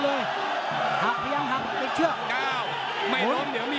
ใจแล้ว